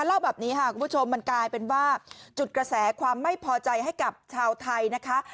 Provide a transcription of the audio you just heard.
เล่าแบบนี้ค่ะคุณผู้ชมมันกลายเป็นว่าจุดกระแสความไม่พอใจให้กับชาวไทยนะคะ